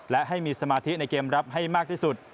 และให้มีสมาธิในเกมรับให้มากที่สุด